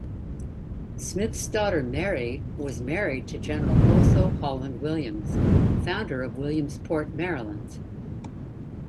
Smith's daughter Mary was married to General Otho Holland Williams, founder of Williamsport, Maryland.